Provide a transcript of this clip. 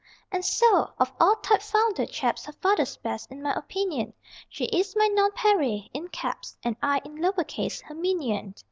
And so, of all typefounder chaps Her father's best, in my opinion; She is my NONPAREIL (IN CAPS) And I (in lower case) her minion.